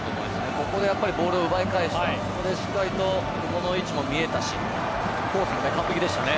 ここでボールを奪い返したりしないとこの位置も見えたしコースも完璧でしたね。